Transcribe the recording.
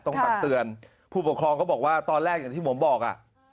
ตักเตือนผู้ปกครองเขาบอกว่าตอนแรกอย่างที่ผมบอกอ่ะ